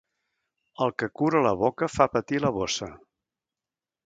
El que cura la boca fa patir la bossa.